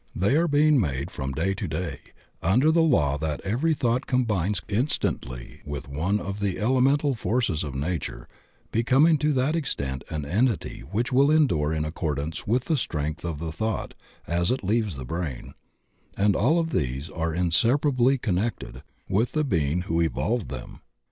They are being made from day to day under the law that every thought combines in stantly with one of the elemental forces of nature, be coming to that extent an entity which will endure in accordance with the strength of the thought as it leaves the brain, and all of these are inseparably con nected with the being who evolved them.